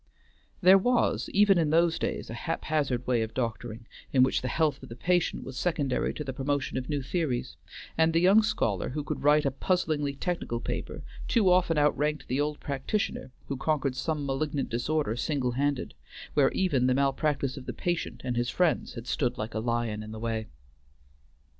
There was, even in those days, a haphazard way of doctoring, in which the health of the patient was secondary to the promotion of new theories, and the young scholar who could write a puzzlingly technical paper too often outranked the old practitioner who conquered some malignant disorder single handed, where even the malpractice of the patient and his friends had stood like a lion in the way.